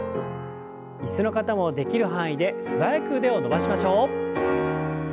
椅子の方もできる範囲で素早く腕を伸ばしましょう。